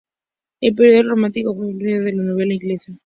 El periodo romántico vio el florecimiento de la novela inglesa.